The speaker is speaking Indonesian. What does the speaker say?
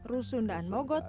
rusun daan mogot